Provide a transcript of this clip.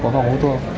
có phòng hút thuốc